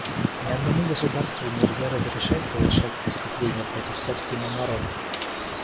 Ни одному государству нельзя разрешать совершать преступления против собственного народа.